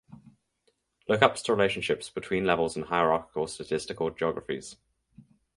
Lookups to relationships between levels in hierarchical statistical geographies.